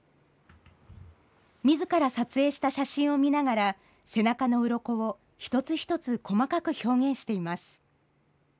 自ら撮影した写真を見ながら背中のうろこを一つ一つ細かく表現しています。